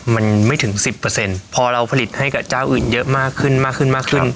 มันไม่ถึง๑๐พอเราผลิตให้กับเจ้าอื่นเยอะมากขึ้นมากขึ้นมากขึ้น